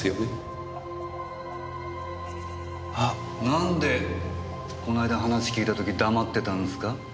なんでこの間話聞いた時黙ってたんですか？